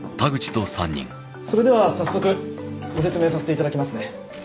それでは早速ご説明させていただきますね